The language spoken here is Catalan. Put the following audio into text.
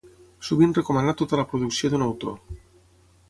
Sovint recomana tota la producció d'un autor.